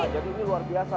jadi ini luar biasa